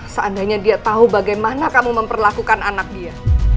seandainya dia tahu bagaimana kamu memperlakukan anak dia